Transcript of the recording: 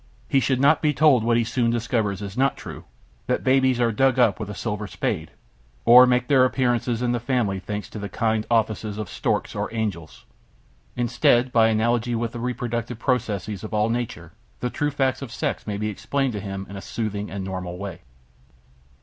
He should not be told what he soon discovers is not true: that babies are "dug up with a silver spade," or make their appearances in the family thanks to the kind offices of storks or angels. Instead, by analogy with the reproductive processes of all nature, the true facts of sex may be explained to him in a soothing and normal way.